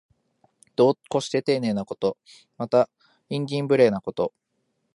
度を越してていねいなこと。また、慇懃無礼なこと。